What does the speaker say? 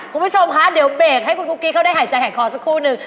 คุณผู้ชมคะเดี๋ยวเบรกให้คุณกุ๊กกี้เขาได้หายใจหายคอสักครู่นึง